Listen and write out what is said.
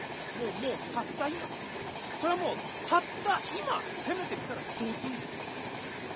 もうもうたった今そりゃもうたった今攻めて来たらどうすんの？